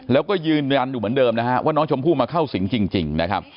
แล้วก็ยืนยันอยู่เหมือนเดิมนะฮะว่าน้องชมพู่มาเข้าสิงจริงนะครับ